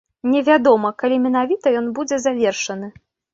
Невядома, калі менавіта ён будзе завершаны.